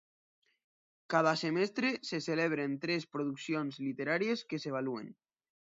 Cada semestre, se celebren tres produccions literàries que s'avaluen.